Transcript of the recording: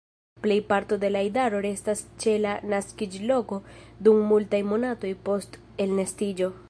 Plej parto de la idaro restas ĉe la naskiĝloko dum multaj monatoj post elnestiĝo.